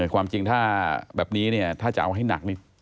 ความจริงถ้าแบบนี้เนี่ยถ้าจะเอาให้หนักนี่